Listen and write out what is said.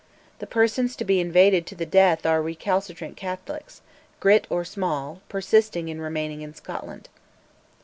The persons to be "invaded to the death" are recalcitrant Catholics, "grit or small," persisting in remaining in Scotland.